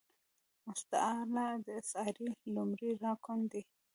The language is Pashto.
مستعارله د استعارې لومړی رکن دﺉ.